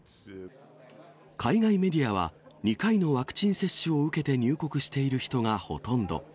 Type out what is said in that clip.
海外メディアは、２回のワクチン接種を受けて入国している人がほとんど。